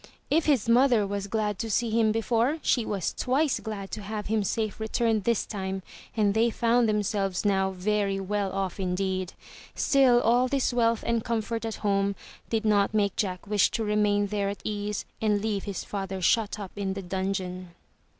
If his mother was glad to see him before, she was twice glad to have him safe returned this time, and they found themselves now very well off indeed. Still all this wealth and comfort at home did not make Jack wish to remain there at ease and leave his father shut up in the dungeon.